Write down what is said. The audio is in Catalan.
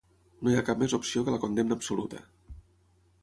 No hi ha cap més opció que la condemna absoluta.